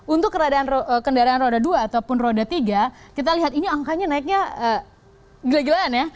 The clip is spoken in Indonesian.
untuk kendaraan roda dua ataupun roda tiga kita lihat ini angkanya naiknya gila gilaan ya